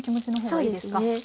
そうですね。